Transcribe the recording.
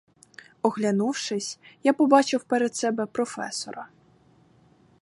Оглянувшись, я побачив перед себе професора.